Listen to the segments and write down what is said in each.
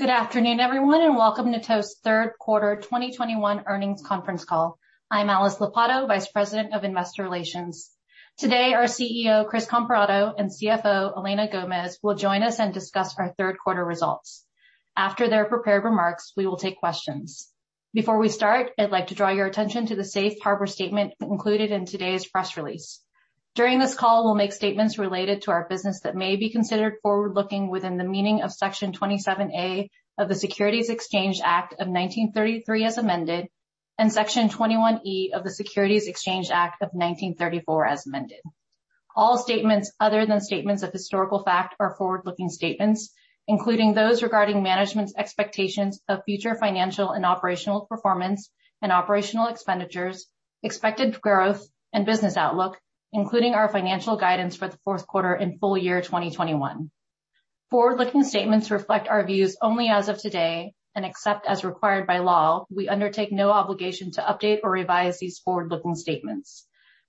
Good afternoon, everyone, and welcome to Toast third quarter 2021 earnings conference call. I'm Alice Lopatto, Vice President, Investor Relations. Today, our CEO, Chris Comparato, and CFO, Elena Gomez, will join us and discuss our third quarter results. After their prepared remarks, we will take questions. Before we start, I'd like to draw your attention to the safe harbor statement included in today's press release. During this call, we'll make statements related to our business that may be considered forward-looking within the meaning of Section 27A of the Securities Act of 1933 as amended, and Section 21E of the Securities Exchange Act of 1934 as amended. All statements other than statements of historical fact are forward-looking statements, including those regarding management's expectations of future financial and operational performance and operational expenditures, expected growth and business outlook, including our financial guidance for the fourth quarter and full year 2021. Forward-looking statements reflect our views only as of today, and except as required by law, we undertake no obligation to update or revise these forward-looking statements.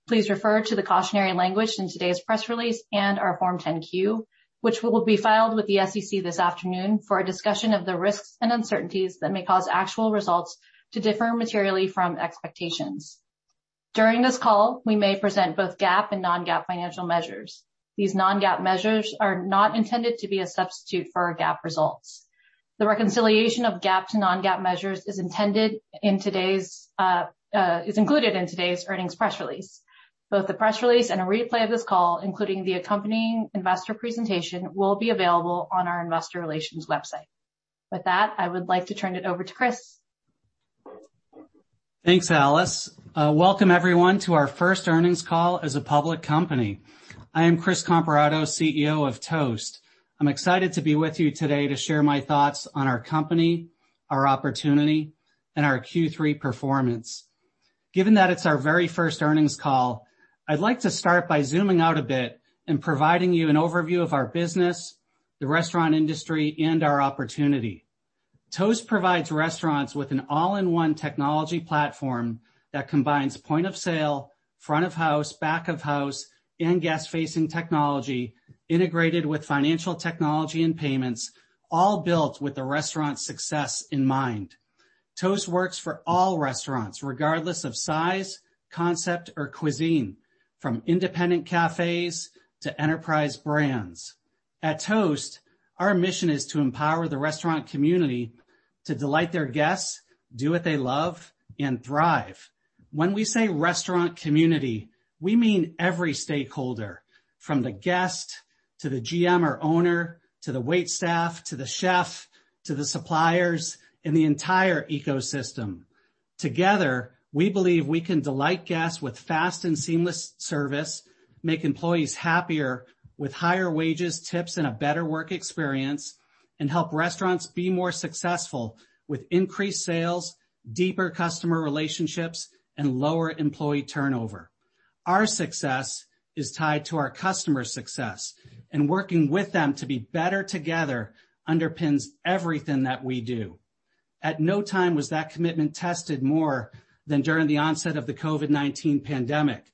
Please refer to the cautionary language in today's press release and our Form 10-Q, which will be filed with the SEC this afternoon for a discussion of the risks and uncertainties that may cause actual results to differ materially from expectations. During this call, we may present both GAAP and non-GAAP financial measures. These non-GAAP measures are not intended to be a substitute for our GAAP results. The reconciliation of GAAP to non-GAAP measures is included in today's earnings press release. Both the press release and a replay of this call, including the accompanying investor presentation, will be available on our investor relations website. With that, I would like to turn it over to Chris. Thanks, Alice. Welcome everyone to our first earnings call as a public company. I am Chris Comparato, CEO of Toast. I'm excited to be with you today to share my thoughts on our company, our opportunity, and our Q3 performance. Given that it's our very first earnings call, I'd like to start by zooming out a bit and providing you an overview of our business, the restaurant industry, and our opportunity. Toast provides restaurants with an all-in-one technology platform that combines point of sale, front of house, back of house, and guest-facing technology integrated with financial technology and payments, all built with the restaurant's success in mind. Toast works for all restaurants, regardless of size, concept, or cuisine, from independent cafes to enterprise brands. At Toast, our mission is to empower the restaurant community to delight their guests, do what they love, and thrive. When we say restaurant community, we mean every stakeholder, from the guest to the GM or owner, to the waitstaff, to the chef, to the suppliers, and the entire ecosystem. Together, we believe we can delight guests with fast and seamless service, make employees happier with higher wages, tips, and a better work experience, and help restaurants be more successful with increased sales, deeper customer relationships, and lower employee turnover. Our success is tied to our customers' success, and working with them to be better together underpins everything that we do. At no time was that commitment tested more than during the onset of the COVID-19 pandemic.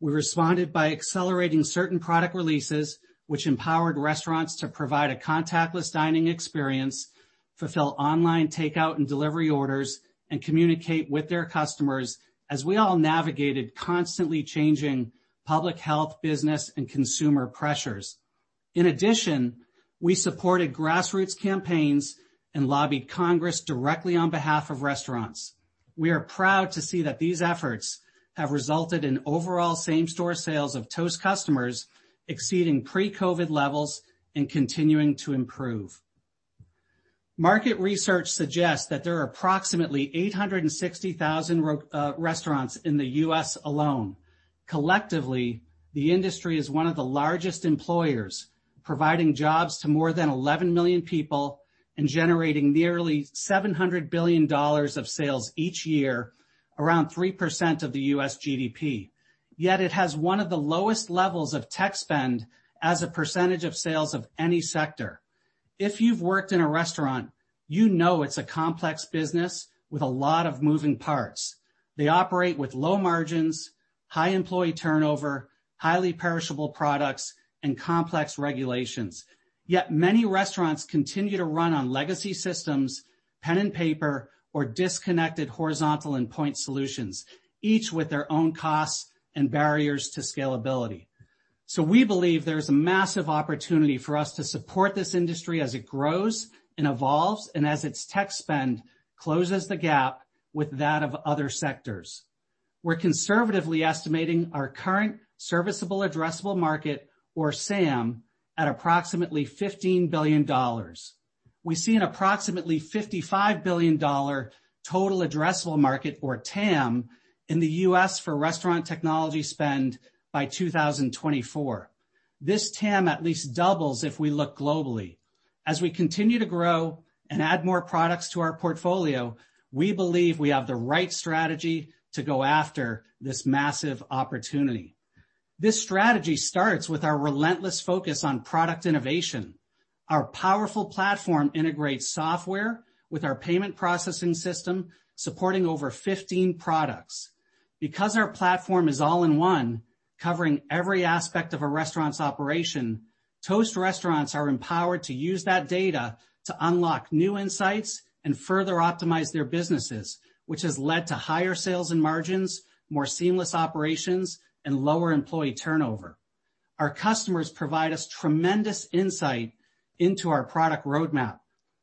We responded by accelerating certain product releases, which empowered restaurants to provide a contactless dining experience, fulfill online takeout and delivery orders, and communicate with their customers as we all navigated constantly changing public health, business, and consumer pressures. In addition, we supported grassroots campaigns and lobbied Congress directly on behalf of restaurants. We are proud to see that these efforts have resulted in overall same-store sales of Toast customers exceeding pre-COVID levels and continuing to improve. Market research suggests that there are approximately 860,000 restaurants in the U.S. alone. Collectively, the industry is one of the largest employers, providing jobs to more than 11 million people and generating nearly $700 billion of sales each year, around 3% of the U.S. GDP. Yet it has one of the lowest levels of tech spend as a percentage of sales of any sector. If you've worked in a restaurant, you know it's a complex business with a lot of moving parts. They operate with low margins, high employee turnover, highly perishable products, and complex regulations. Yet many restaurants continue to run on legacy systems, pen and paper, or disconnected horizontal and point solutions, each with their own costs and barriers to scalability. We believe there's a massive opportunity for us to support this industry as it grows and evolves and as its tech spend closes the gap with that of other sectors. We're conservatively estimating our current serviceable addressable market or SAM at approximately $15 billion. We see an approximately $55 billion total addressable market or TAM in the U.S. for restaurant technology spend by 2024. This TAM at least doubles if we look globally. As we continue to grow and add more products to our portfolio, we believe we have the right strategy to go after this massive opportunity. This strategy starts with our relentless focus on product innovation. Our powerful platform integrates software with our payment processing system, supporting over 15 products. Because our platform is all-in-one, covering every aspect of a restaurant's operation, Toast restaurants are empowered to use that data to unlock new insights and further optimize their businesses, which has led to higher sales and margins, more seamless operations, and lower employee turnover. Our customers provide us tremendous insight into our product roadmap.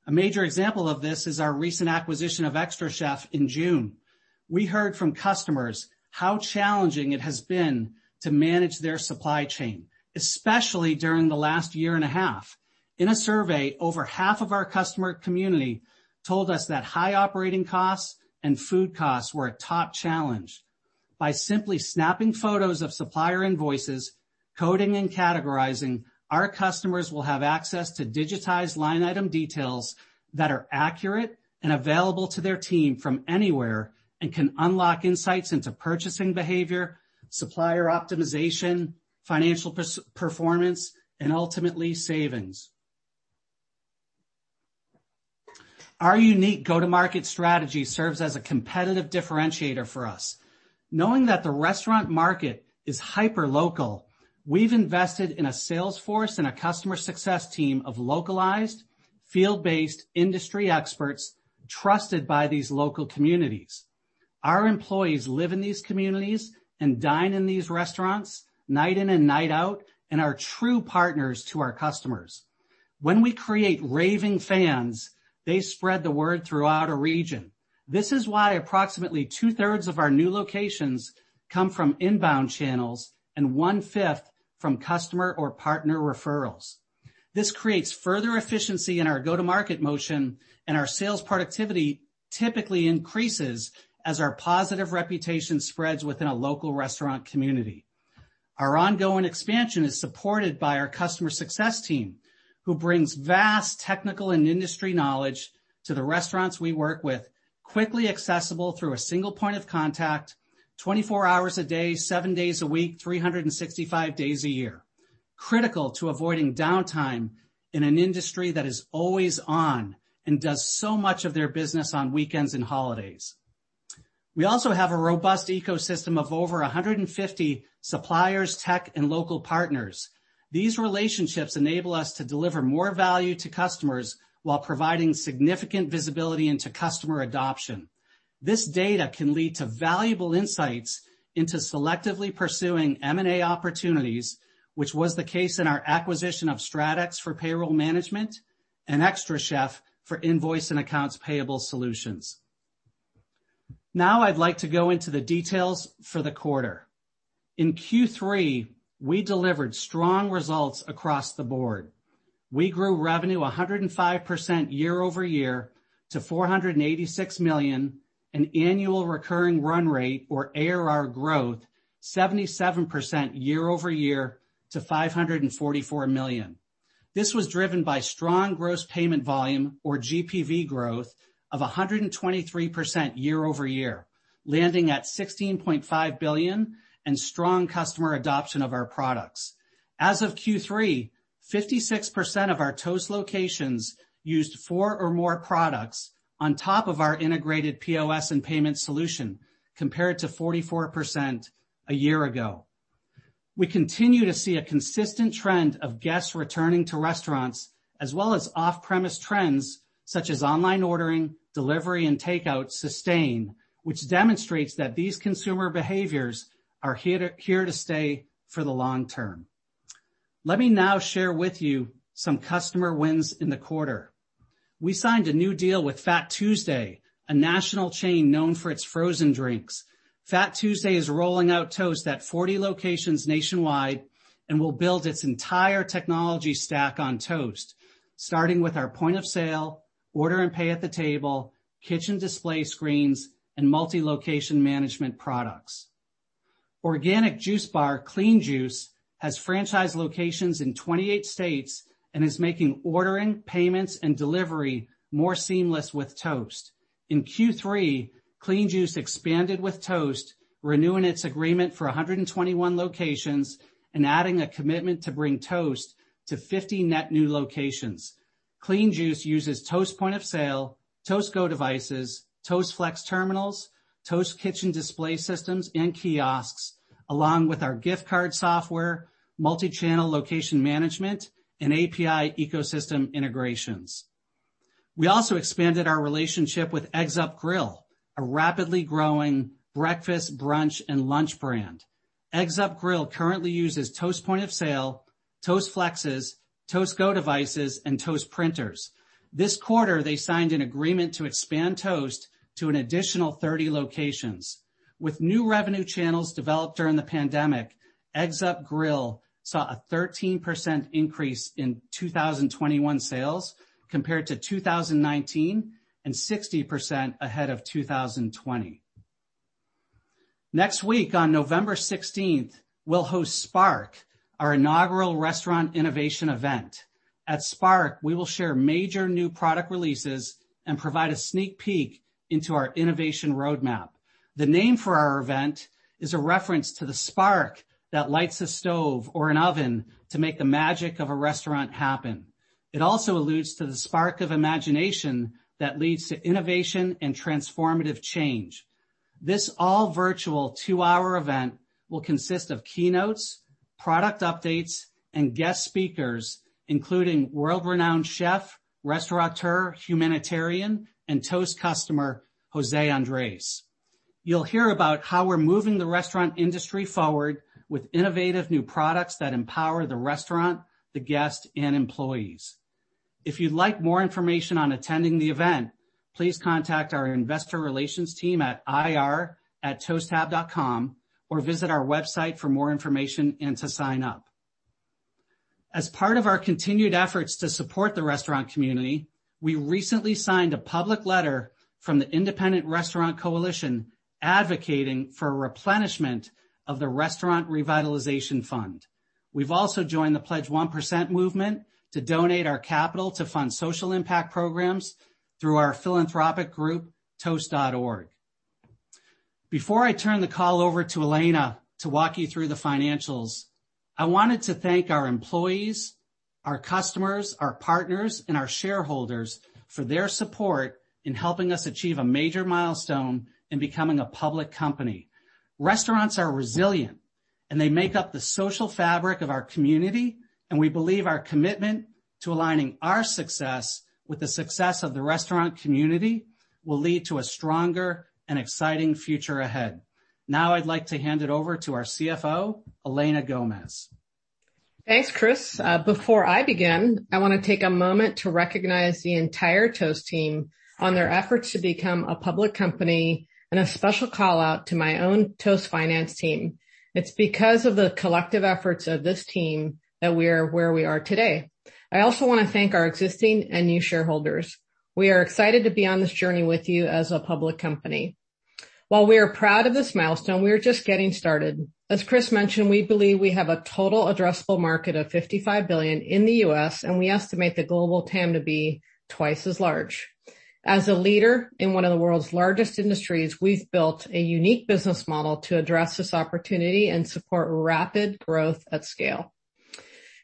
A major example of this is our recent acquisition of xtraCHEF in June. We heard from customers how challenging it has been to manage their supply chain, especially during the last year and a half. In a survey, over half of our customer community told us that high operating costs and food costs were a top challenge. By simply snapping photos of supplier invoices, coding and categorizing, our customers will have access to digitized line item details that are accurate and available to their team from anywhere and can unlock insights into purchasing behavior, supplier optimization, financial performance, and ultimately savings. Our unique go-to-market strategy serves as a competitive differentiator for us. Knowing that the restaurant market is hyperlocal, we've invested in a sales force and a customer success team of localized, field-based industry experts trusted by these local communities. Our employees live in these communities and dine in these restaurants night in and night out, and are true partners to our customers. When we create raving fans, they spread the word throughout a region. This is why approximately two-thirds of our new locations come from inbound channels and one-fifth from customer or partner referrals. This creates further efficiency in our go-to-market motion, and our sales productivity typically increases as our positive reputation spreads within a local restaurant community. Our ongoing expansion is supported by our customer success team, who brings vast technical and industry knowledge to the restaurants we work with, quickly accessible through a single point of contact 24 hours a day, seven days a week, 365 days a year, critical to avoiding downtime in an industry that is always on and does so much of their business on weekends and holidays. We also have a robust ecosystem of over 150 suppliers, tech, and local partners. These relationships enable us to deliver more value to customers while providing significant visibility into customer adoption. This data can lead to valuable insights into selectively pursuing M&A opportunities, which was the case in our acquisition of StratEx for payroll management and xtraCHEF for invoice and accounts payable solutions. Now I'd like to go into the details for the quarter. In Q3, we delivered strong results across the board. We grew revenue 105% year-over-year to $486 million, an annual recurring run rate or ARR growth 77% year-over-year to $544 million. This was driven by strong gross payment volume, or GPV growth of 123% year-over-year, landing at $16.5 billion, and strong customer adoption of our products. As of Q3, 56% of our Toast locations used four or more products on top of our integrated POS and payment solution, compared to 44% a year ago. We continue to see a consistent trend of guests returning to restaurants, as well as off-premise trends such as online ordering, delivery, and takeout sustain, which demonstrates that these consumer behaviors are here to stay for the long term. Let me now share with you some customer wins in the quarter. We signed a new deal with Fat Tuesday, a national chain known for its frozen drinks. Fat Tuesday is rolling out Toast at 40 locations nationwide and will build its entire technology stack on Toast, starting with our point of sale, order and pay at the table, kitchen display screens, and multi-location management products. Organic juice bar, Clean Juice, has franchise locations in 28 states and is making ordering, payments, and delivery more seamless with Toast. In Q3, Clean Juice expanded with Toast, renewing its agreement for 121 locations and adding a commitment to bring Toast to 50 net new locations. Clean Juice uses Toast point of sale, Toast Go devices, Toast Flex terminals, Toast kitchen display systems and kiosks, along with our gift card software, multi-channel location management, and API ecosystem integrations. We also expanded our relationship with Eggs Up Grill, a rapidly growing breakfast, brunch, and lunch brand. Eggs Up Grill currently uses Toast point of sale, Toast Flexes, Toast Go devices, and Toast printers. This quarter, they signed an agreement to expand Toast to an additional 30 locations. With new revenue channels developed during the pandemic, Eggs Up Grill saw a 13% increase in 2021 sales compared to 2019, and 60% ahead of 2020. Next week, on November 16, we'll host Spark, our inaugural restaurant innovation event. At Spark, we will share major new product releases and provide a sneak peek into our innovation roadmap. The name for our event is a reference to the spark that lights a stove or an oven to make the magic of a restaurant happen. It also alludes to the spark of imagination that leads to innovation and transformative change. This all-virtual two-hour event will consist of keynotes, product updates, and guest speakers, including world-renowned chef, restaurateur, humanitarian, and Toast customer, José Andrés. You'll hear about how we're moving the restaurant industry forward with innovative new products that empower the restaurant, the guest, and employees. If you'd like more information on attending the event, please contact our investor relations team at ir@toasttab.com or visit our website for more information and to sign up. As part of our continued efforts to support the restaurant community, we recently signed a public letter from the Independent Restaurant Coalition advocating for replenishment of the Restaurant Revitalization Fund. We've also joined the Pledge One Percent movement to donate our capital to fund social impact programs through our philanthropic group, toast.org. Before I turn the call over to Elena to walk you through the financials, I wanted to thank our employees, our customers, our partners, and our shareholders for their support in helping us achieve a major milestone in becoming a public company. Restaurants are resilient, and they make up the social fabric of our community, and we believe our commitment to aligning our success with the success of the restaurant community will lead to a stronger and exciting future ahead. Now I'd like to hand it over to our CFO, Elena Gomez. Thanks, Chris. Before I begin, I want to take a moment to recognize the entire Toast team on their efforts to become a public company, and a special call-out to my own Toast finance team. It's because of the collective efforts of this team that we are where we are today. I also want to thank our existing and new shareholders. We are excited to be on this journey with you as a public company. While we are proud of this milestone, we are just getting started. As Chris mentioned, we believe we have a total addressable market of $55 billion in the U.S., and we estimate the global TAM to be twice as large. As a leader in one of the world's largest industries, we've built a unique business model to address this opportunity and support rapid growth at scale.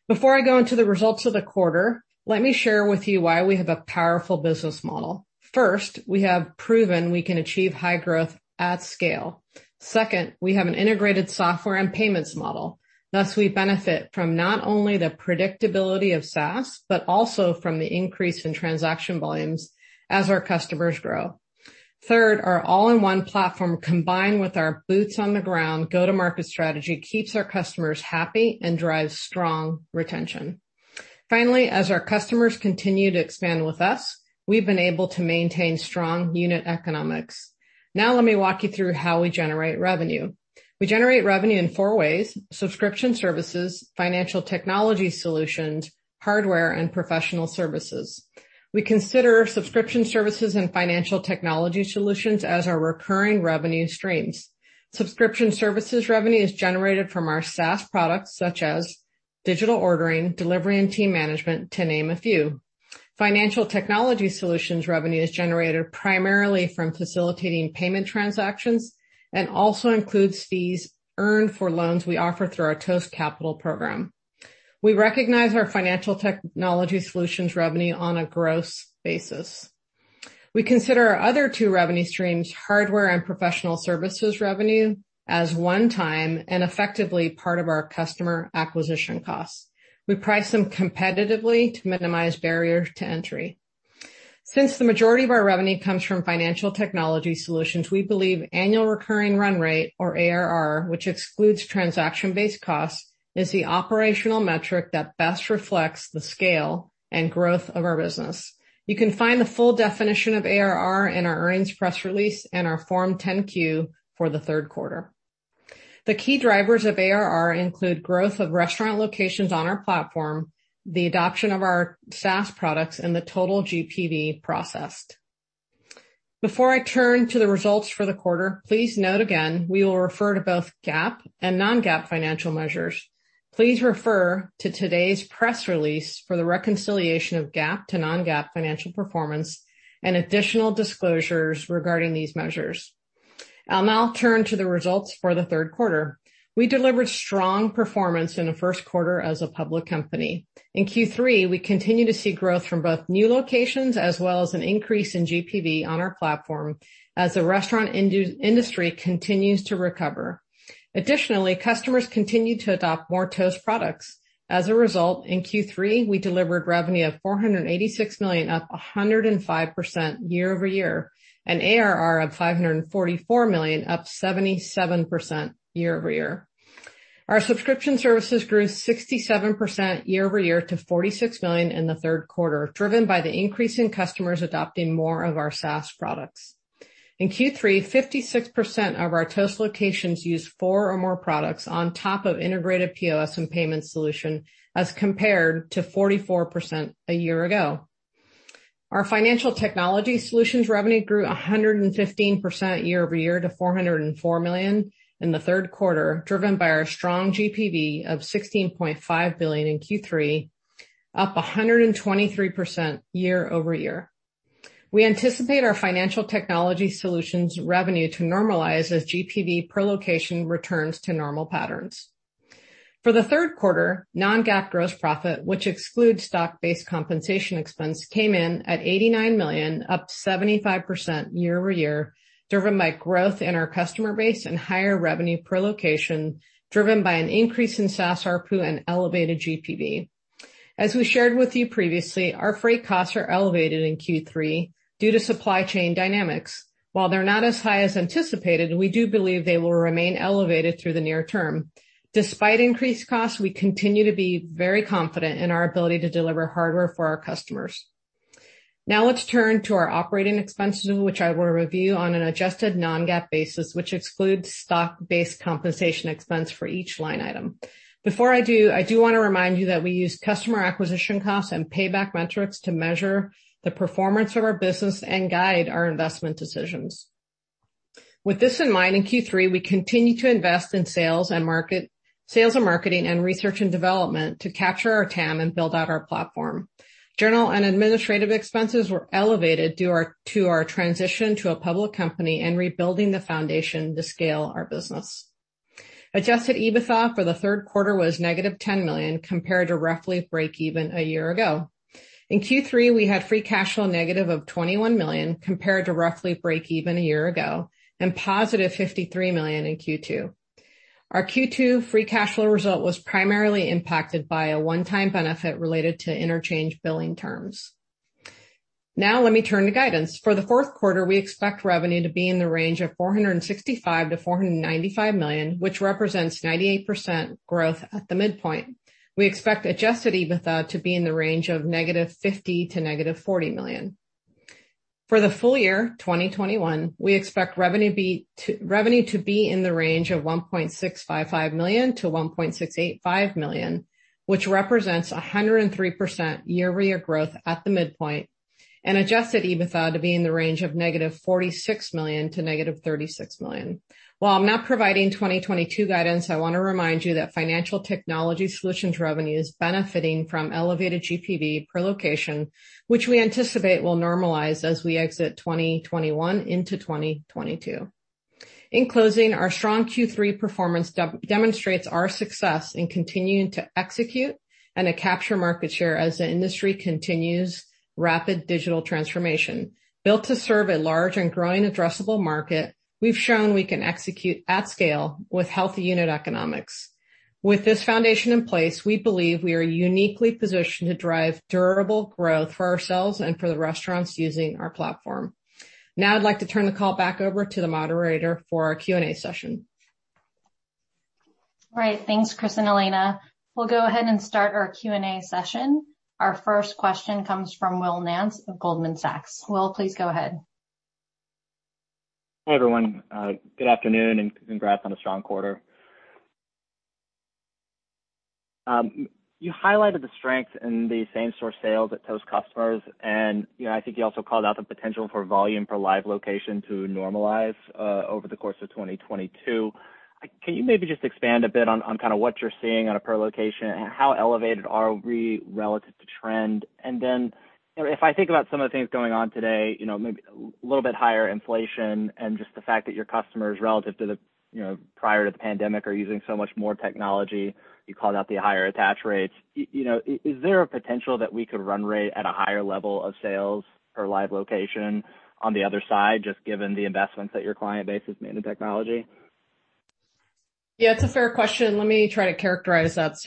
Before I go into the results of the quarter, let me share with you why we have a powerful business model. First, we have proven we can achieve high growth at scale. Second, we have an integrated software and payments model. Thus, we benefit from not only the predictability of SaaS, but also from the increase in transaction volumes as our customers grow. Third, our all-in-one platform, combined with our boots on the ground go-to-market strategy, keeps our customers happy and drives strong retention. Finally, as our customers continue to expand with us, we've been able to maintain strong unit economics. Now let me walk you through how we generate revenue. We generate revenue in four ways, subscription services, financial technology solutions, hardware, and professional services. We consider subscription services and financial technology solutions as our recurring revenue streams. Subscription services revenue is generated from our SaaS products, such as digital ordering, delivery, and team management, to name a few. Financial technology solutions revenue is generated primarily from facilitating payment transactions and also includes fees earned for loans we offer through our Toast Capital program. We recognize our financial technology solutions revenue on a gross basis. We consider our other two revenue streams, hardware and professional services revenue, as one-time and effectively part of our customer acquisition costs. We price them competitively to minimize barriers to entry. Since the majority of our revenue comes from financial technology solutions, we believe annual recurring run rate, or ARR, which excludes transaction-based costs, is the operational metric that best reflects the scale and growth of our business. You can find the full definition of ARR in our earnings press release and our Form 10-Q for the third quarter. The key drivers of ARR include growth of restaurant locations on our platform, the adoption of our SaaS products, and the total GPV processed. Before I turn to the results for the quarter, please note again, we will refer to both GAAP and non-GAAP financial measures. Please refer to today's press release for the reconciliation of GAAP to non-GAAP financial performance and additional disclosures regarding these measures. I'll now turn to the results for the third quarter. We delivered strong performance in the first quarter as a public company. In Q3, we continued to see growth from both new locations as well as an increase in GPV on our platform as the restaurant industry continues to recover. Additionally, customers continued to adopt more Toast products. As a result, in Q3, we delivered revenue of $486 million, up 105% year-over-year, and ARR of $544 million, up 77% year-over-year. Our subscription services grew 67% year-over-year to $46 million in the third quarter, driven by the increase in customers adopting more of our SaaS products. In Q3, 56% of our Toast locations used four or more products on top of integrated POS and payment solution, as compared to 44% a year ago. Our financial technology solutions revenue grew 115% year-over-year to $404 million in the third quarter, driven by our strong GPV of $16.5 billion in Q3, up 123% year-over-year. We anticipate our financial technology solutions revenue to normalize as GPV per location returns to normal patterns. For the third quarter, non-GAAP gross profit, which excludes stock-based compensation expense, came in at $89 million, up 75% year-over-year, driven by growth in our customer base and higher revenue per location, driven by an increase in SaaS ARPU and elevated GPV. As we shared with you previously, our freight costs are elevated in Q3 due to supply chain dynamics. While they're not as high as anticipated, we do believe they will remain elevated through the near term. Despite increased costs, we continue to be very confident in our ability to deliver hardware for our customers. Now let's turn to our operating expenses, which I will review on an adjusted non-GAAP basis, which excludes stock-based compensation expense for each line item. Before I do, I do wanna remind you that we use customer acquisition costs and payback metrics to measure the performance of our business and guide our investment decisions. With this in mind, in Q3, we continued to invest in sales and marketing and research and development to capture our TAM and build out our platform. General and administrative expenses were elevated due to our transition to a public company and rebuilding the foundation to scale our business. Adjusted EBITDA for the third quarter was negative $10 million, compared to roughly breakeven a year ago. In Q3, we had free cash flow negative of $21 million, compared to roughly breakeven a year ago, and positive $53 million in Q2. Our Q2 free cash flow result was primarily impacted by a one-time benefit related to interchange billing terms. Now let me turn to guidance. For the fourth quarter, we expect revenue to be in the range of $465 million-$495 million, which represents 98% growth at the midpoint. We expect adjusted EBITDA to be in the range of -$50 million to -$40 million. For the full year 2021, we expect revenue to be in the range of $1,655 million-$1,685 million, which represents 103% year-over-year growth at the midpoint, and adjusted EBITDA to be in the range of -$46 million to -$36 million. While I'm not providing 2022 guidance, I wanna remind you that financial technology solutions revenue is benefiting from elevated GPV per location, which we anticipate will normalize as we exit 2021 into 2022. In closing, our strong Q3 performance demonstrates our success in continuing to execute and to capture market share as the industry continues rapid digital transformation. Built to serve a large and growing addressable market, we've shown we can execute at scale with healthy unit economics. With this foundation in place, we believe we are uniquely positioned to drive durable growth for ourselves and for the restaurants using our platform. Now I'd like to turn the call back over to the moderator for our Q&A session. All right. Thanks, Chris and Elena. We'll go ahead and start our Q&A session. Our first question comes from Will Nance of Goldman Sachs. Will, please go ahead. Hi, everyone. Good afternoon, and congrats on a strong quarter. You highlighted the strength in the same-store sales at Toast customers and, you know, I think you also called out the potential for volume per live location to normalize over the course of 2022. Can you maybe just expand a bit on kinda what you're seeing on a per location? How elevated are we relative to trend? Then, you know, if I think about some of the things going on today, you know, maybe a little bit higher inflation and just the fact that your customers relative to the, you know, prior to the pandemic are using so much more technology, you called out the higher attach rates. You know, is there a potential that we could run rate at a higher level of sales per live location on the other side, just given the investments that your client base has made in technology? Yeah, it's a fair question. Let me try to characterize that.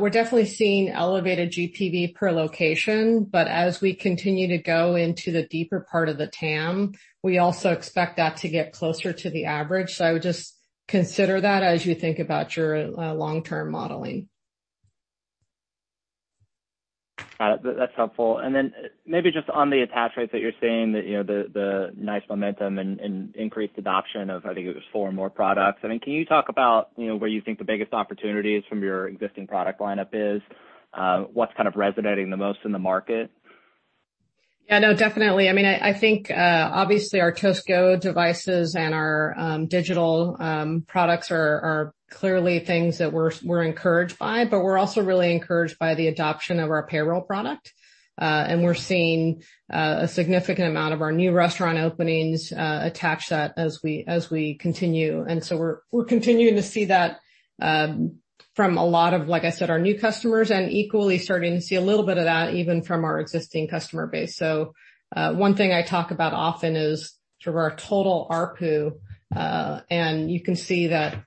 We're definitely seeing elevated GPV per location, but as we continue to go into the deeper part of the TAM, we also expect that to get closer to the average. I would just consider that as you think about your long-term modeling. Got it. That's helpful. Maybe just on the attach rates that you're seeing that, you know, the nice momentum and increased adoption of, I think it was four more products. I mean, can you talk about, you know, where you think the biggest opportunities from your existing product lineup is? What's kind of resonating the most in the market? Yeah, no, definitely. I mean, I think obviously our Toast Go devices and our digital products are clearly things that we're encouraged by, but we're also really encouraged by the adoption of our payroll product. We're seeing a significant amount of our new restaurant openings attach that as we continue. We're continuing to see that from a lot of, like I said, our new customers, and equally starting to see a little bit of that even from our existing customer base. One thing I talk about often is sort of our total ARPU, and you can see that,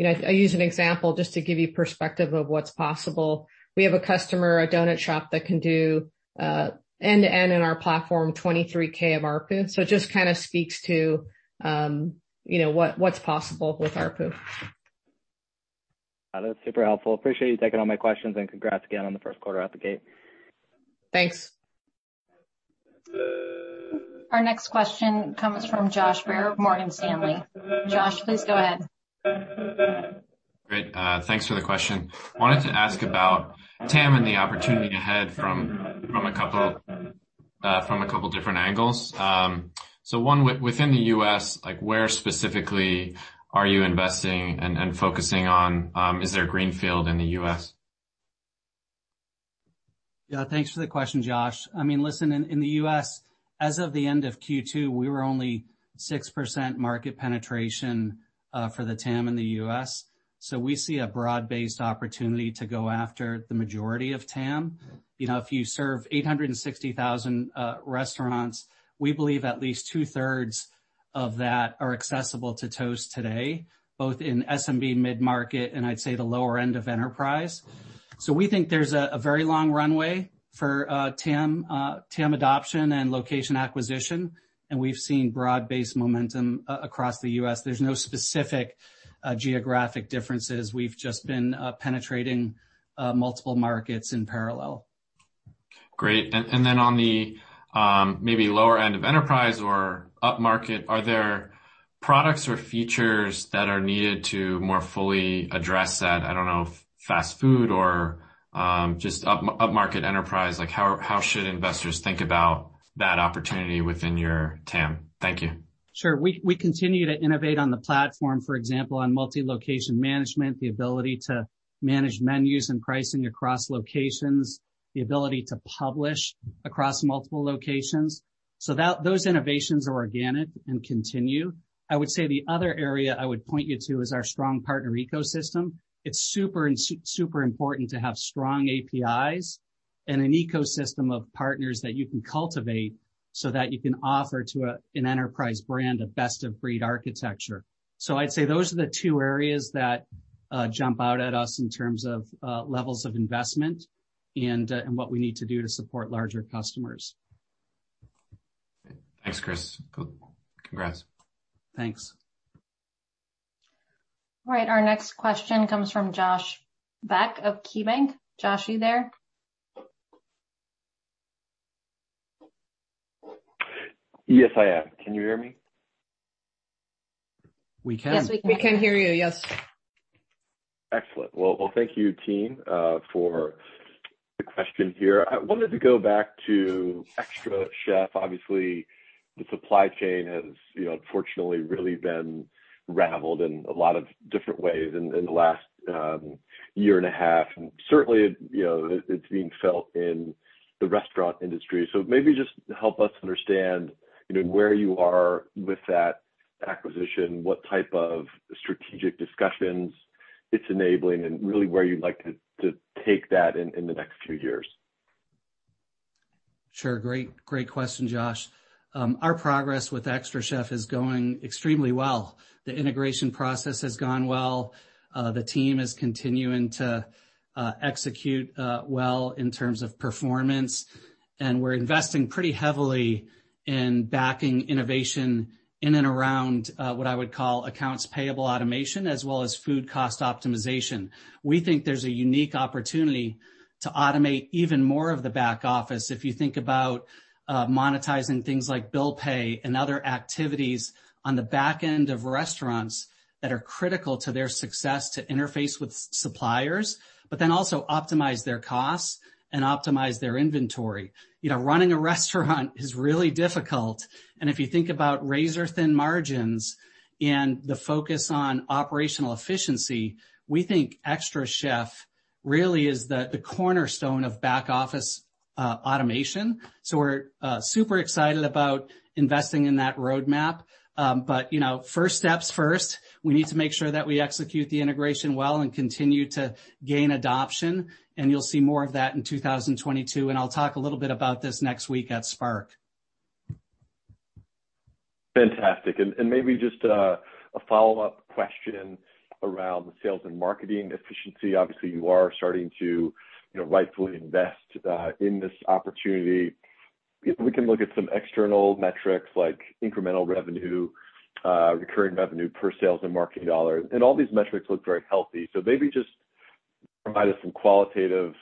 you know, I use an example just to give you perspective of what's possible. We have a customer, a donut shop, that can do end-to-end in our platform, $23K of ARPU. It just kinda speaks to, you know, what's possible with ARPU. That's super helpful. Appreciate you taking all my questions, and congrats again on the first quarter out the gate. Thanks. Our next question comes from Josh Baer of Morgan Stanley. Josh, please go ahead. Great. Thanks for the question. Wanted to ask about TAM and the opportunity ahead from a couple different angles. One within the U.S., like where specifically are you investing and focusing on, is there a greenfield in the U.S.? Yeah, thanks for the question, Josh. I mean, listen, in the U.S., as of the end of Q2, we were only 6% market penetration for the TAM in the U.S. We see a broad-based opportunity to go after the majority of TAM. You know, if you serve 860,000 restaurants, we believe at least two thirds of that are accessible to Toast today, both in SMB mid-market, and I'd say the lower end of enterprise. We think there's a very long runway for TAM adoption and location acquisition, and we've seen broad-based momentum across the U.S. There's no specific geographic differences. We've just been penetrating multiple markets in parallel. Great. Then on the maybe lower end of enterprise or upmarket, are there products or features that are needed to more fully address that, I don't know, fast food or just upmarket enterprise? Like, how should investors think about that opportunity within your TAM? Thank you. Sure. We continue to innovate on the platform, for example, on multi-location management, the ability to manage menus and pricing across locations, the ability to publish across multiple locations. So those innovations are organic and continue. I would say the other area I would point you to is our strong partner ecosystem. It's super important to have strong APIs and an ecosystem of partners that you can cultivate so that you can offer to an enterprise brand a best of breed architecture. So I'd say those are the two areas that jump out at us in terms of levels of investment and what we need to do to support larger customers. Thanks, Chris. Cool. Congrats. Thanks. All right, our next question comes from Josh Beck of KeyBanc. Josh, are you there? Yes, I am. Can you hear me? We can. Yes, we can hear you. Yes. Excellent. Well, thank you team for the question here. I wanted to go back to xtraCHEF. Obviously, the supply chain has, you know, unfortunately really been ravaged in a lot of different ways in the last year and a half. Certainly, you know, it's being felt in the restaurant industry. Maybe just help us understand, you know, where you are with that acquisition, what type of strategic discussions it's enabling, and really where you'd like to take that in the next few years. Sure. Great, great question, Josh. Our progress with xtraCHEF is going extremely well. The integration process has gone well. The team is continuing to execute well in terms of performance, and we're investing pretty heavily in backing innovation in and around what I would call accounts payable automation, as well as food cost optimization. We think there's a unique opportunity to automate even more of the back office if you think about monetizing things like bill pay and other activities on the back end of restaurants that are critical to their success to interface with suppliers, but then also optimize their costs and optimize their inventory. You know, running a restaurant is really difficult. If you think about razor-thin margins and the focus on operational efficiency, we think xtraCHEF really is the cornerstone of back office automation. We're super excited about investing in that roadmap. You know, first steps first. We need to make sure that we execute the integration well and continue to gain adoption, and you'll see more of that in 2022, and I'll talk a little bit about this next week at Spark. Fantastic. Maybe just a follow-up question around the sales and marketing efficiency. Obviously, you are starting to, you know, rightfully invest in this opportunity. If we can look at some external metrics like incremental revenue, recurring revenue per sales and marketing dollars, and all these metrics look very healthy. Maybe just provide us some qualitative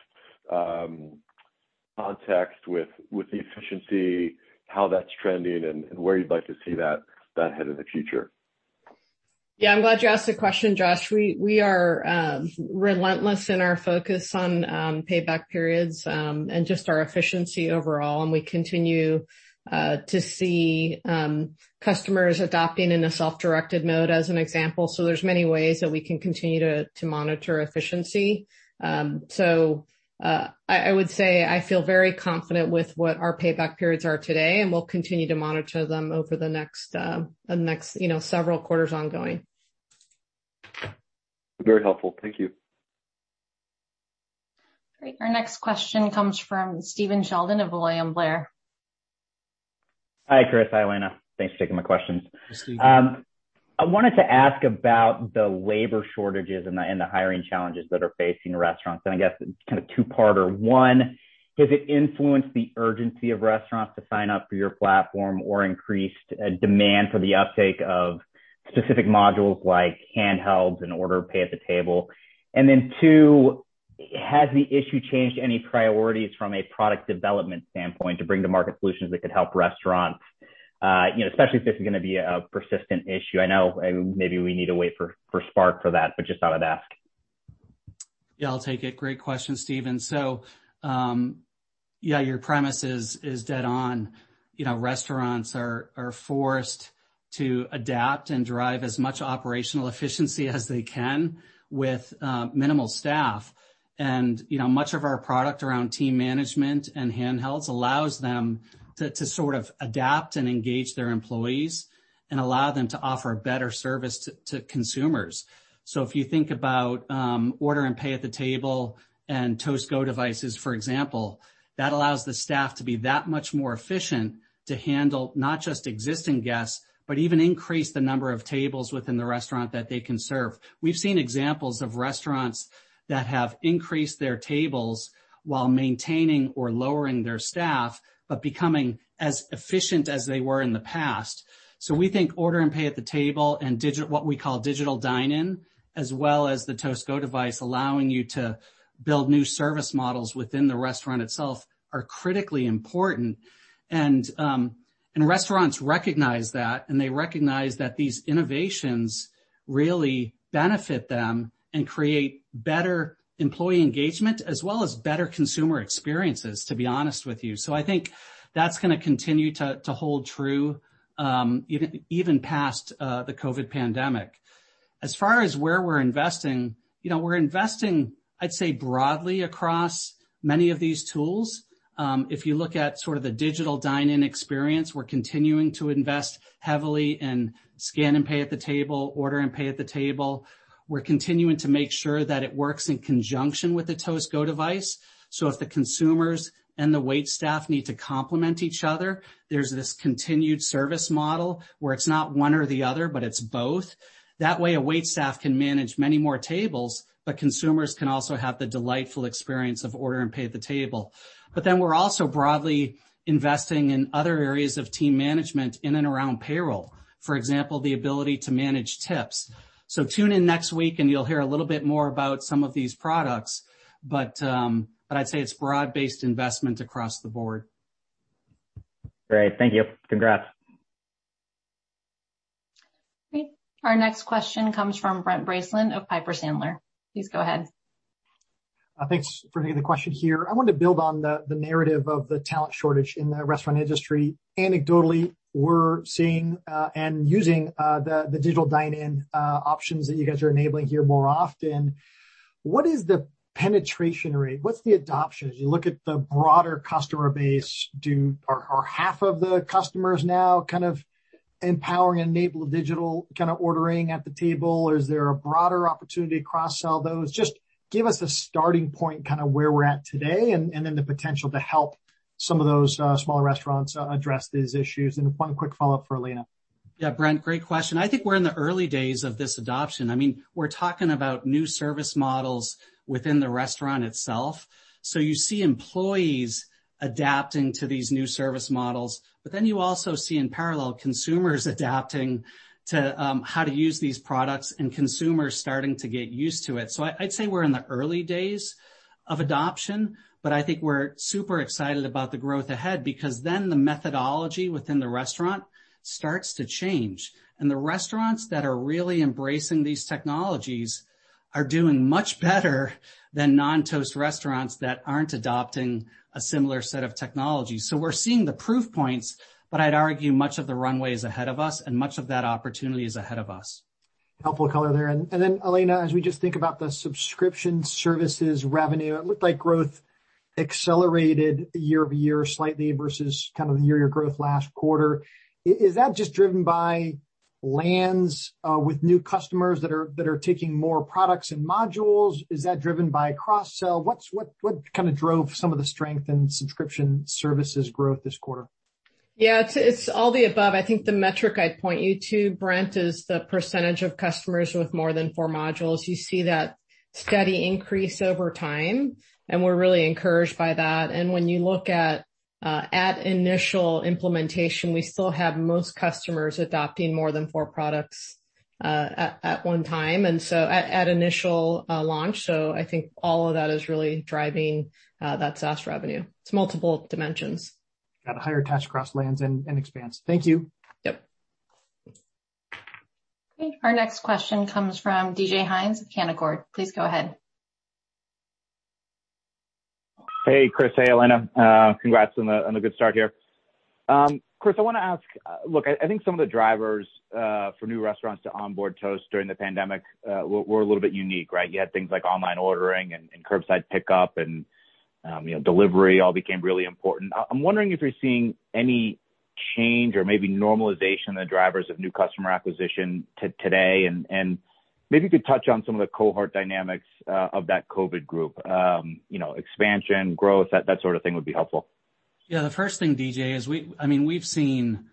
context with the efficiency, how that's trending, and where you'd like to see that head in the future. Yeah, I'm glad you asked the question, Josh. We are relentless in our focus on payback periods and just our efficiency overall, and we continue to see customers adopting in a self-directed mode, as an example. There's many ways that we can continue to monitor efficiency. I would say I feel very confident with what our payback periods are today, and we'll continue to monitor them over the next you know several quarters ongoing. Very helpful. Thank you. Great. Our next question comes from Stephen Sheldon of William Blair. Hi, Chris. Hi, Elena. Thanks for taking my questions. Hi, Steven. I wanted to ask about the labor shortages and the hiring challenges that are facing restaurants. I guess it's kind of two-parter. One, has it influenced the urgency of restaurants to sign up for your platform or increased demand for the uptake of specific modules like handhelds and order and pay at the table? Then two, has the issue changed any priorities from a product development standpoint to bring to market solutions that could help restaurants? You know, especially if this is going to be a persistent issue. I know maybe we need to wait for Spark for that, but just thought I'd ask. Yeah, I'll take it. Great question, Stephen. Yeah, your premise is dead on. You know, restaurants are forced to adapt and drive as much operational efficiency as they can with minimal staff. You know, much of our product around team management and handhelds allows them to sort of adapt and engage their employees and allow them to offer better service to consumers. If you think about order and pay at the table and Toast Go devices, for example, that allows the staff to be that much more efficient to handle not just existing guests, but even increase the number of tables within the restaurant that they can serve. We've seen examples of restaurants that have increased their tables while maintaining or lowering their staff, but becoming as efficient as they were in the past. We think order and pay at the table and what we call digital dine-in, as well as the Toast Go device, allowing you to build new service models within the restaurant itself, are critically important. Restaurants recognize that, and they recognize that these innovations really benefit them and create better employee engagement as well as better consumer experiences, to be honest with you. I think that's going to continue to hold true, even past the COVID pandemic. As far as where we're investing, you know, we're investing, I'd say, broadly across many of these tools. If you look at sort of the digital dine-in experience, we're continuing to invest heavily in scan and pay at the table, order and pay at the table. We're continuing to make sure that it works in conjunction with the Toast Go device. If the consumers and the wait staff need to complement each other, there's this continued service model where it's not one or the other, but it's both. That way, a wait staff can manage many more tables, but consumers can also have the delightful experience of order and pay at the table. We're also broadly investing in other areas of team management in and around payroll, for example, the ability to manage tips. Tune in next week, and you'll hear a little bit more about some of these products. I'd say it's broad-based investment across the board. Great. Thank you. Congrats. Okay. Our next question comes from Brent Bracelin of Piper Sandler. Please go ahead. Thanks for taking the question here. I wanted to build on the narrative of the talent shortage in the restaurant industry. Anecdotally, we're seeing and using the digital dine-in options that you guys are enabling here more often. What is the penetration rate? What's the adoption? As you look at the broader customer base, are half of the customers now kind of empowering enabled digital kind of ordering at the table, or is there a broader opportunity to cross-sell those? Just give us a starting point, kind of where we're at today and then the potential to help some of those smaller restaurants address these issues. One quick follow-up for Elena. Yeah, Brent, great question. I think we're in the early days of this adoption. I mean, we're talking about new service models within the restaurant itself. You see employees adapting to these new service models, but then you also see in parallel consumers adapting to, how to use these products and consumers starting to get used to it. I'd say we're in the early days of adoption, but I think we're super excited about the growth ahead because then the methodology within the restaurant starts to change. The restaurants that are really embracing these technologies are doing much better than non-Toast restaurants that aren't adopting a similar set of technologies. We're seeing the proof points, but I'd argue much of the runway is ahead of us and much of that opportunity is ahead of us. Helpful color there. Elena, as we just think about the subscription services revenue, it looked like growth accelerated year-over-year slightly versus kind of the year-over-year growth last quarter. Is that just driven by lands with new customers that are taking more products and modules? Is that driven by cross-sell? What kind of drove some of the strength in subscription services growth this quarter? Yeah, it's all the above. I think the metric I'd point you to, Brent, is the percentage of customers with more than four modules. You see that steady increase over time, and we're really encouraged by that. When you look at initial implementation, we still have most customers adopting more than four products at one time, and so at initial launch. I think all of that is really driving that SaaS revenue. It's multiple dimensions. Got a higher touch across lands and expanse. Thank you. Yep. Okay. Our next question comes from DJ Hynes of Canaccord. Please go ahead. Hey, Chris. Hey, Elena. Congrats on the good start here. Chris, I want to ask, look, I think some of the drivers for new restaurants to onboard Toast during the pandemic were a little bit unique, right? You had things like online ordering and curbside pickup and, you know, delivery all became really important. I'm wondering if you're seeing any change or maybe normalization in the drivers of new customer acquisition to today, and maybe you could touch on some of the cohort dynamics of that COVID group. You know, expansion, growth, that sort of thing would be helpful. Yeah. The first thing, DJ, is I mean, we've seen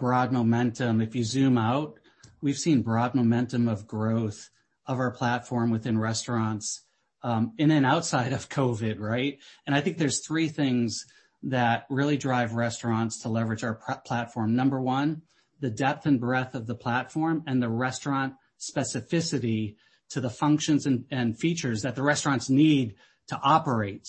broad momentum. If you zoom out, we've seen broad momentum of growth of our platform within restaurants. In and outside of COVID, right? I think there's three things that really drive restaurants to leverage our platform. Number one, the depth and breadth of the platform and the restaurant specificity to the functions and features that the restaurants need to operate.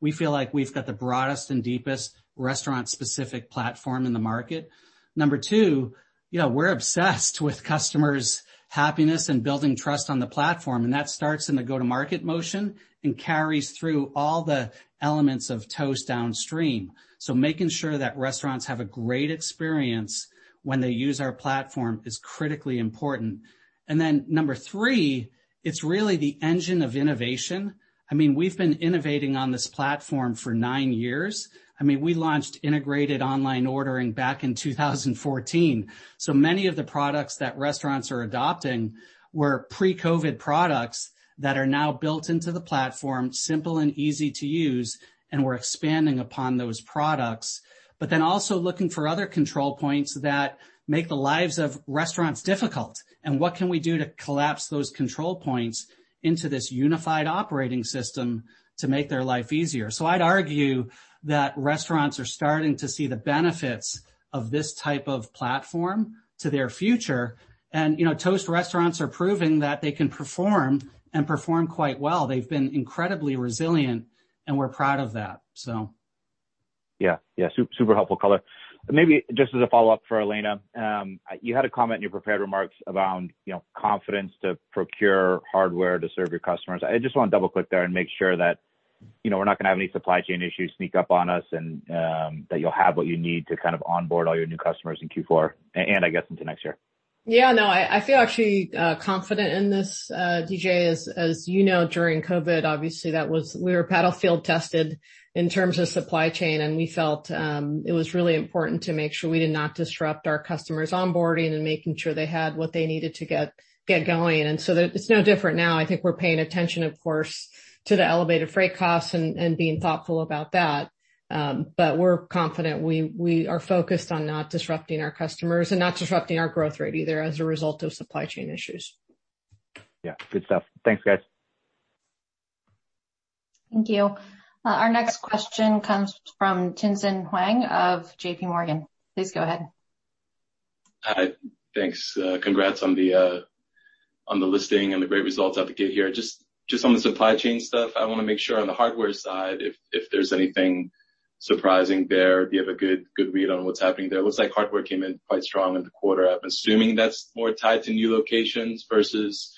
We feel like we've got the broadest and deepest restaurant-specific platform in the market. Number two, you know, we're obsessed with customers' happiness and building trust on the platform, and that starts in the go-to-market motion and carries through all the elements of Toast downstream. Making sure that restaurants have a great experience when they use our platform is critically important. Then number three, it's really the engine of innovation. I mean, we've been innovating on this platform for nine years. I mean, we launched integrated online ordering back in 2014. So many of the products that restaurants are adopting were pre-COVID products that are now built into the platform, simple and easy to use, and we're expanding upon those products, also looking for other control points that make the lives of restaurants difficult, and what can we do to collapse those control points into this unified operating system to make their life easier. I'd argue that restaurants are starting to see the benefits of this type of platform to their future. You know, Toast restaurants are proving that they can perform and perform quite well. They've been incredibly resilient, and we're proud of that. Yeah. Yeah, super helpful color. Maybe just as a follow-up for Elena, you had a comment in your prepared remarks around, you know, confidence to procure hardware to serve your customers. I just want to double-click there and make sure that, you know, we're not going to have any supply chain issues sneak up on us and that you'll have what you need to kind of onboard all your new customers in Q4, and I guess into next year. Yeah, no, I feel actually confident in this, DJ. As you know, during COVID, obviously we were battlefield tested in terms of supply chain, and we felt it was really important to make sure we did not disrupt our customers onboarding and making sure they had what they needed to get going. It's no different now. I think we're paying attention, of course, to the elevated freight costs and being thoughtful about that. We're confident. We are focused on not disrupting our customers and not disrupting our growth rate either as a result of supply chain issues. Yeah. Good stuff. Thanks, guys. Thank you. Our next question comes from Tien-Tsin Huang of JP Morgan. Please go ahead. Hi. Thanks. Congrats on the listing and the great results out the gate here. Just on the supply chain stuff, I want to make sure on the hardware side if there's anything surprising there. Do you have a good read on what's happening there? It looks like hardware came in quite strong in the quarter. I'm assuming that's more tied to new locations versus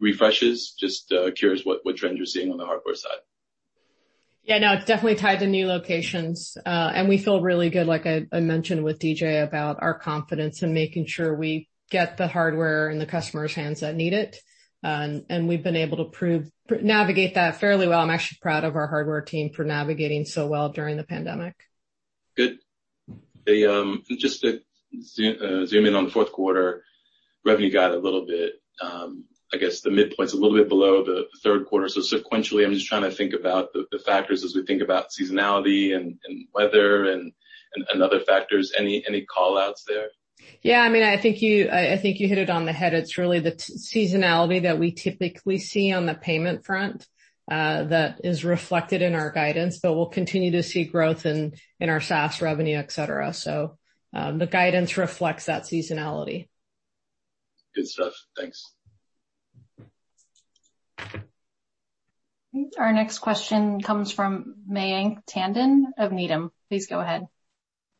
refreshes. Just curious what trends you're seeing on the hardware side. Yeah, no, it's definitely tied to new locations. We feel really good, like I mentioned with DJ, about our confidence in making sure we get the hardware in the customer's hands that need it. We've been able to navigate that fairly well. I'm actually proud of our hardware team for navigating so well during the pandemic. Good. Okay, just to zoom in on the fourth quarter revenue guide a little bit. I guess the midpoint's a little bit below the third quarter. Sequentially, I'm just trying to think about the factors as we think about seasonality and weather and other factors. Any call-outs there? Yeah. I mean, I think you hit it on the head. It's really the seasonality that we typically see on the payment front that is reflected in our guidance. We'll continue to see growth in our SaaS revenue, et cetera. The guidance reflects that seasonality. Good stuff. Thanks. Our next question comes from Mayank Tandon of Needham. Please go ahead.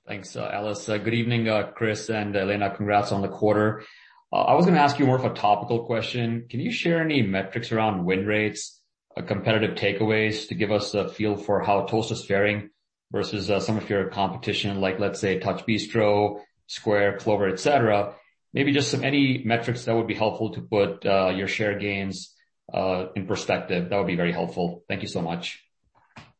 Thanks, Alice. Good evening, Chris and Elena. Congrats on the quarter. I was going to ask you more of a topical question. Can you share any metrics around win rates, competitive takeaways to give us a feel for how Toast is faring versus some of your competition, like let's say TouchBistro, Square, Clover, et cetera? Maybe just any metrics that would be helpful to put your share gains in perspective, that would be very helpful. Thank you so much.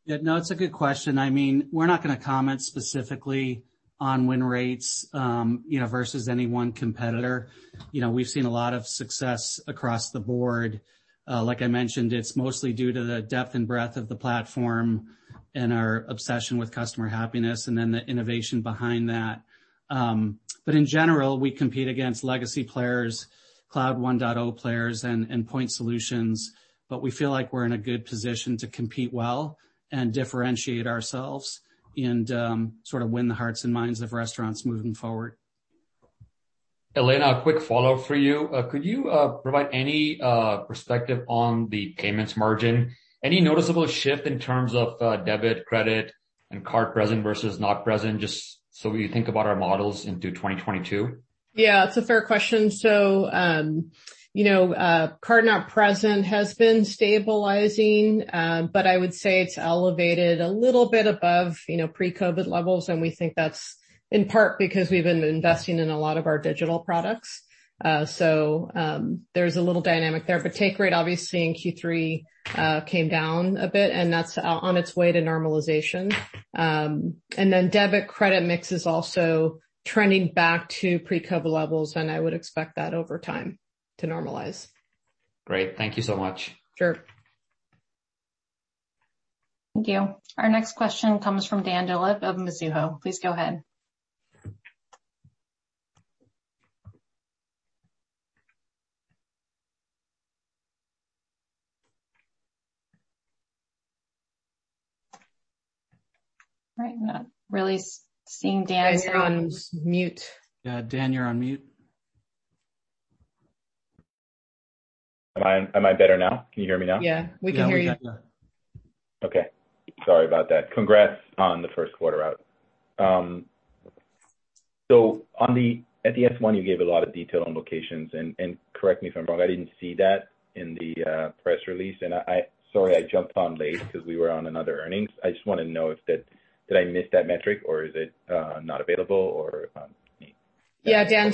Yeah, no, it's a good question. I mean, we're not going to comment specifically on win rates, you know, versus any one competitor. You know, we've seen a lot of success across the board. Like I mentioned, it's mostly due to the depth and breadth of the platform and our obsession with customer happiness and then the innovation behind that. In general, we compete against legacy players, cloud 1.0 players, and point solutions. We feel like we're in a good position to compete well and differentiate ourselves and sort of win the hearts and minds of restaurants moving forward. Elena, a quick follow-up for you. Could you provide any perspective on the payments margin? Any noticeable shift in terms of debit, credit, and card present versus not present, just so we think about our models into 2022? Yeah, it's a fair question. You know, card not present has been stabilizing, but I would say it's elevated a little bit above, you know, pre-COVID levels, and we think that's in part because we've been investing in a lot of our digital products. There's a little dynamic there. But take rate, obviously, in Q3, came down a bit, and that's on its way to normalization. Debit credit mix is also trending back to pre-COVID levels, and I would expect that over time to normalize. Great. Thank you so much. Sure. Thank you. Our next question comes from Dan Dolev of Mizuho. Please go ahead. Right. Not really seeing Dan. Dan, you're on mute. Yeah, Dan, you're on mute. Am I better now? Can you hear me now? Yeah. We can hear you. Now we got you. Okay. Sorry about that. Congrats on the first quarter out. At the S-1, you gave a lot of detail on locations. Correct me if I'm wrong, I didn't see that in the press release. Sorry I jumped on late 'cause we were on another earnings. I just wanna know, did I miss that metric or is it not available or. Yeah, Dan,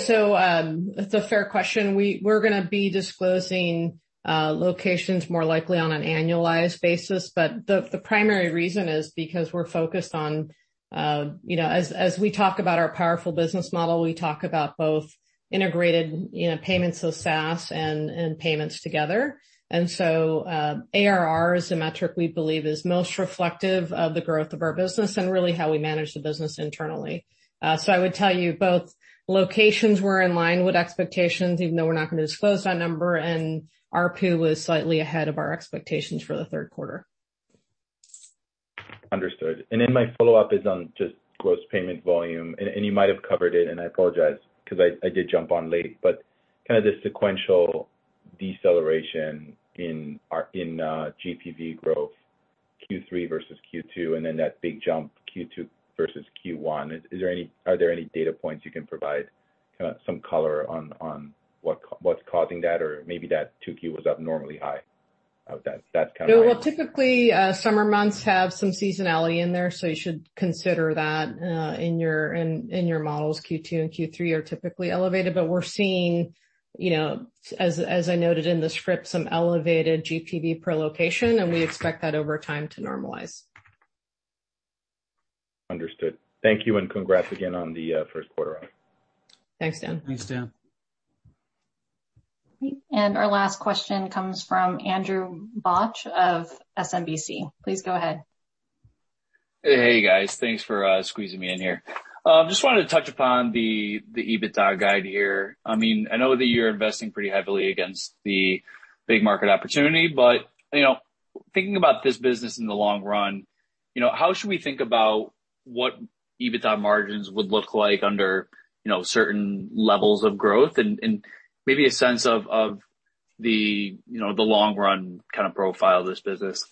it's a fair question. We're gonna be disclosing locations more likely on an annualized basis. The primary reason is because we're focused on, you know, as we talk about our powerful business model, we talk about both integrated, you know, SaaS and payments together. ARR is the metric we believe is most reflective of the growth of our business and really how we manage the business internally. I would tell you both locations were in line with expectations, even though we're not gonna disclose that number, and ARPU was slightly ahead of our expectations for the third quarter. Understood. My follow-up is on just gross payment volume. You might have covered it, and I apologize 'cause I did jump on late. Kinda the sequential deceleration in our GPV growth, Q3 versus Q2, and then that big jump Q2 versus Q1. Are there any data points you can provide, kinda some color on what's causing that? Or maybe that Q2 was up normally high. That's kinda my- Yeah. Well, typically, summer months have some seasonality in there, so you should consider that in your models. Q2 and Q3 are typically elevated. We're seeing, you know, as I noted in the script, some elevated GPV per location, and we expect that over time to normalize. Understood. Thank you, and congrats again on the first quarter out. Thanks, Dan. Great. Our last question comes from Andrew Bauch of SMBC. Please go ahead. Hey, guys. Thanks for squeezing me in here. Just wanted to touch upon the EBITDA guide here. I mean, I know that you're investing pretty heavily against the big market opportunity, but you know, thinking about this business in the long run, you know, how should we think about what EBITDA margins would look like under certain levels of growth and maybe a sense of the long run kinda profile of this business?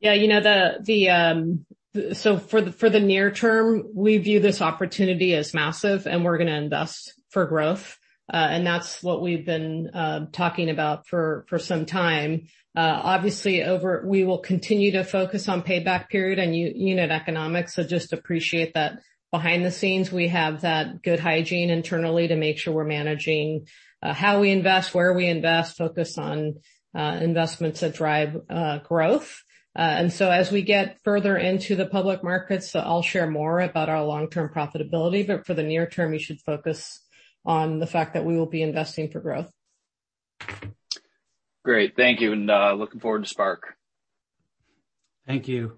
Yeah. You know, the so for the near term, we view this opportunity as massive and we're gonna invest for growth. That's what we've been talking about for some time. Obviously, we will continue to focus on payback period and unit economics, so just appreciate that behind the scenes we have that good hygiene internally to make sure we're managing how we invest, where we invest, focus on investments that drive growth. As we get further into the public markets, I'll share more about our long-term profitability, but for the near term, you should focus on the fact that we will be investing for growth. Great. Thank you, and looking forward to Spark. Thank you.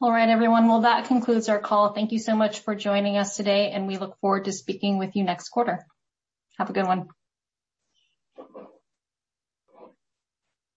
All right, everyone. Well, that concludes our call. Thank you so much for joining us today, and we look forward to speaking with you next quarter. Have a good one.